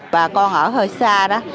bà con ở hơi xa đó